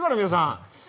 皆さん。